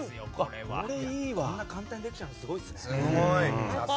こんな簡単にできちゃうのすごいですね。